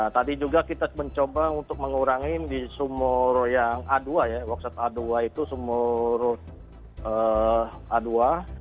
tadi juga kita mencoba untuk mengurangi di sumur yang a dua ya wakset a dua itu sumur a dua